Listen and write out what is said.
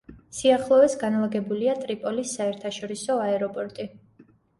სიახლოვეს განლაგებულია ტრიპოლის საერთაშორისო აეროპორტი.